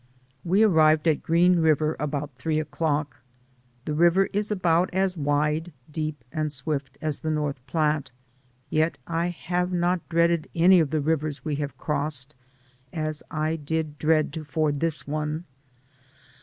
We arrived at Green River about three o'clock. The river is about as wide, deep and swift as the North Platte, yet I have not dreaded any of the rivers we have crossed as I did dread to ford this one.